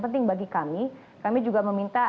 penting bagi kami kami juga meminta